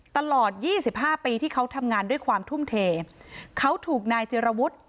ตลอดยี่สิบห้าปีที่เขาทำงานด้วยความทุ่มเทเขาถูกนายจิรวุฒิ